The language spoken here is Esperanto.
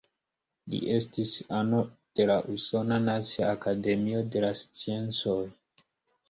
Li estis ano de la Usona nacia Akademio de la Sciencoj.